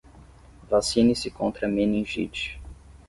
Vacine-se contra meningite